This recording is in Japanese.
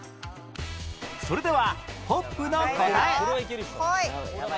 それではホップの答えこい！